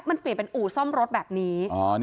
มันเปลี่ยนเป็นอู่ซ่อมรถแบบนี้